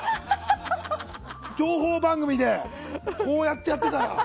情報番組でこうやってやってたら。